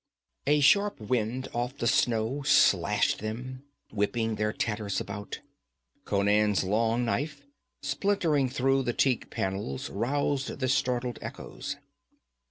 A sharp wind off the snow slashed them, whipping their tatters about. Conan's long knife splintering through the teak panels roused the startled echoes.